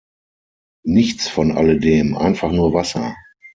Nichts von alledem, einfach nur Wasser.